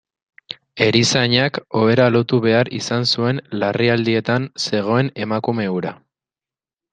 Erizainak ohera lotu behar izan zuen larrialdietan zegoen emakume hura.